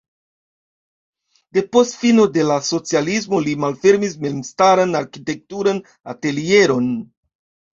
Depost fino de la socialismo li malfermis memstaran arkitekturan atelieron.